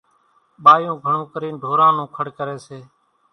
ٻايوُن گھڻون ڪرينَ ڍوران نون کڙ ڪريَ سي۔